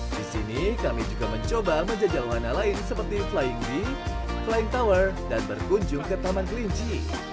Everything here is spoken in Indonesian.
di sini kami juga mencoba menjajal warna lain seperti flying bee flying tower dan berkunjung ke taman kelinci